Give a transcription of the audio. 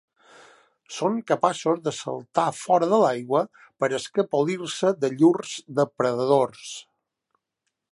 Són capaços de saltar fora de l'aigua per escapolir-se de llurs depredadors.